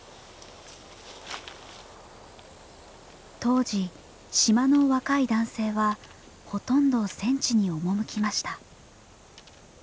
当時島の若い男性はほとんど戦地に赴きました。